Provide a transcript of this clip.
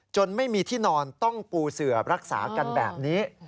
ไม่มีที่นอนต้องปูเสือรักษากันแบบนี้